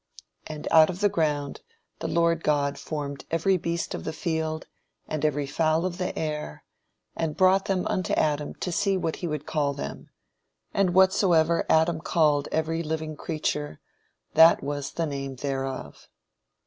"And out of the ground the Lord God formed every beast of the field, and every fowl of the air; and brought them unto Adam to see what he would call them: and whatsoever Adam called every living creature, that was the name thereof.